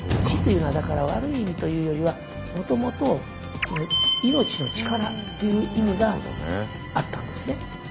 血というのは悪い意味というよりはもともと命の力という意味があったんですね。